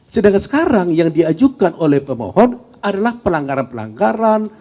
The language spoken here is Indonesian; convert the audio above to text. sedangkan sekarang yang diajukan oleh pemohon adalah pelanggaran pelanggaran